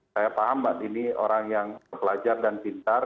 saya paham mbak dini orang yang pelajar dan pintar